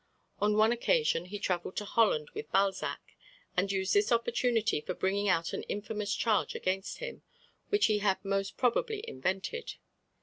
On one occasion he travelled to Holland with Balzac, and used this opportunity for bringing out an infamous charge against him, which he had most probably invented.